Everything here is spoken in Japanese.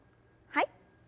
はい。